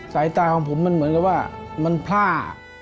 สายตาของผมมันเหมือนกับว่ามันพลาด